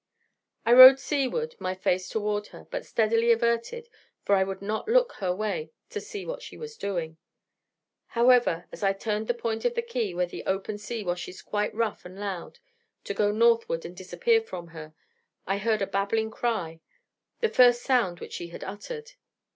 I rowed sea ward, my face toward her, but steadily averted, for I would not look her way to see what she was doing. However, as I turned the point of the quay, where the open sea washes quite rough and loud, to go northward and disappear from her, I heard a babbling cry the first sound which she had uttered.